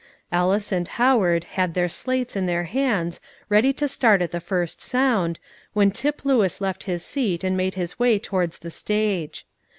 Ellis and Howard had their slates in their hands, ready to start at the first sound, when Tip Lewis left his seat and made his way towards the stage.